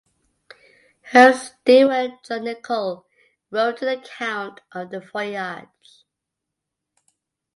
Her steward, John Nicol, wrote an account of the voyage.